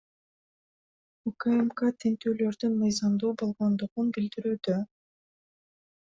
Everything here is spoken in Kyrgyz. УКМК тинтүүлөрдүн мыйзамдуу болгондугун билдирүүдө.